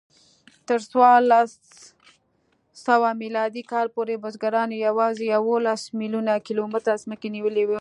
تر څوارلسسوه میلادي کال پورې بزګرانو یواځې یوولس میلیونه کیلومتره ځمکه نیولې وه.